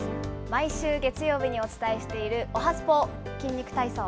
毎週月曜日にお伝えしているおはＳＰＯ筋肉体操。